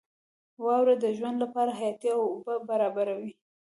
• واوره د ژوند لپاره حیاتي اوبه برابروي.